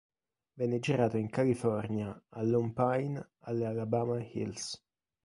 Venne girato in California, a Lone Pine, alle Alabama Hills.